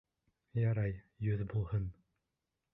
Ярай, йөҙ булһын.